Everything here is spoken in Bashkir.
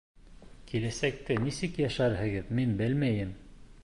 Киләсәктә нисек йәшәрһегеҙ, мин белмәйем...